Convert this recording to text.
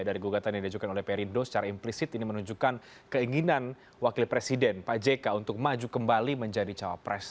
dari gugatan yang diajukan oleh perindo secara implisit ini menunjukkan keinginan wakil presiden pak jk untuk maju kembali menjadi cawapres